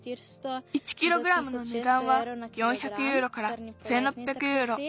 １キログラムのねだんは４００ユーロから１，６００ユーロ。